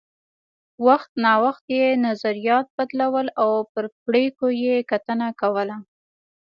وخت نا وخت یې نظریات بدلول او پر پرېکړو یې کتنه کوله